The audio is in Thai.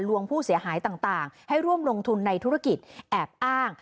ลวงผู้เสียหายต่างให้ร่วมลงทุนในธุรกิจแอบอ้าง